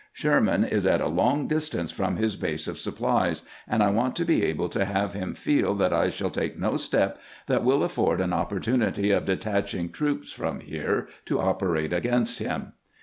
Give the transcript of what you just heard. Sherman is at a long distance from his base of supplies, and I want to be able to have him feel that I shall take no step that will afford an opportunity of de taching troops from here to operate against him."